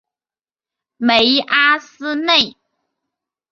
梅阿斯内。